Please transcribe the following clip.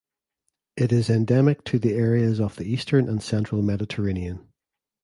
It is endemic to the areas of the eastern and central Mediterranean.